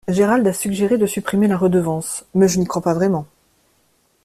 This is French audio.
Gérald a suggéré de supprimer la redevance, mais je n'y crois pas vraiment.